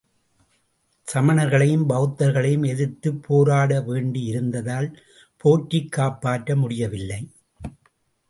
சமணர்களையும் பெளத்தர்களையும் எதிர்த்துப் போராட வேண்டியிருந்ததால் போற்றிக் காப்பாற்ற முடியவில்லை.